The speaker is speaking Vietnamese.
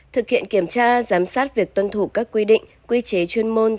thực hiện kiểm tra giám sát việc tuân thủ các quy định quy chế chuyên môn